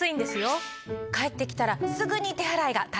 帰ってきたらすぐに手洗いが大切ですね！